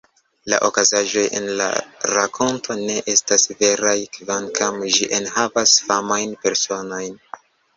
La okazaĵoj en la rakonto ne estas veraj, kvankam ĝi enhavas famajn personojn.